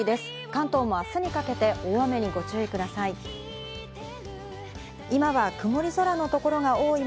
関東も明日にかけて大雨にご注意ください。